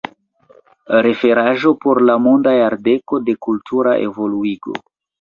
Referaĵo por la Monda Jardeko de Kultura Evoluigo.